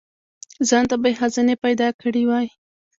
ځانته به یې خزانې پیدا کړي وای.